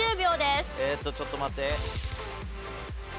えーっとちょっと待って。